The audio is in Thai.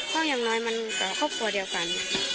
ก็อย่างน้อยมันต่อครบครัวเดียวกัน